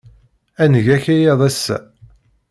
Ad neg akayad ass-a.